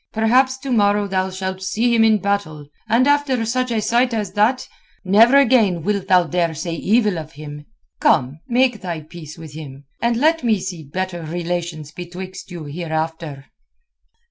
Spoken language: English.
Perhaps to morrow thou shalt see him in battle, and after such a sight as that never again wilt thou dare say evil of him. Come, make thy peace with him, and let me see better relations betwixt you hereafter."